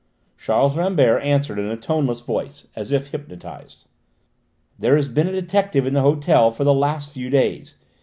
Charles Rambert answered in a toneless voice, as if hypnotised: "There has been a detective in the hotel for the last few days.